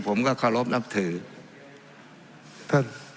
ทั้งสองกรณีผลเอกประยุทธ์